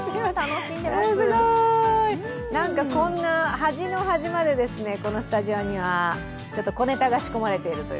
すごーい、なんかこんな端の端までこのスタジオにはちょっと小ネタが仕込まれているという。